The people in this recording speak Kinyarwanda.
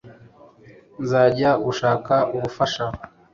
nzajya gushaka ubufasha